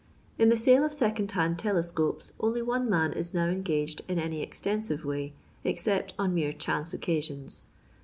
Ie the sale of second hand teloKopes only one man is now engaged in any extensive way, except on mere chance occasions.